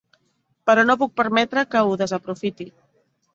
Però no puc permetre que ho desaprofiti.